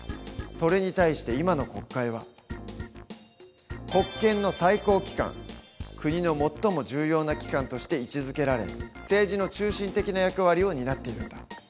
それに対して今の国会は国の最も重要な機関として位置づけられ政治の中心的な役割を担っているんだ。